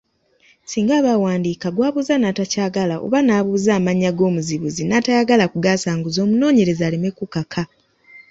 Singa aba awandiika, gw’abuuza n’atakyagala, oba n’abuuza amannya g’omuzibuzi n’atayagala kugaasanguza, omunoonyereze aleme kukaka.